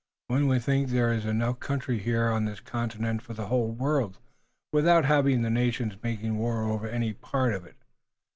One would think there is enough country here on this continent for the whole world without having the nations making war over any part of it.